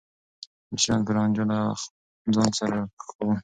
مصريان به رانجه له ځان سره ښخاوه.